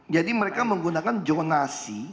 jadi mereka menggunakan jonasi